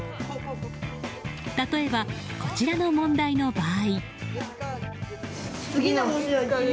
例えば、こちらの問題の場合。